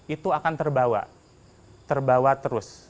itu akan terbawa terbawa terus